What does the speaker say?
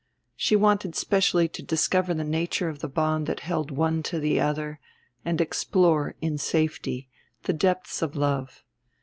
She wanted specially to discover the nature of the bond that held one to the other, and explore, in safety, the depths of love.